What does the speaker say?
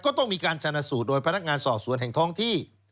ก็ต้องมีการชนะสูตรโดยพนักงานสอบสวนแห่งท้องที่